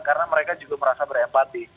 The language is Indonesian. karena mereka juga merasa berempati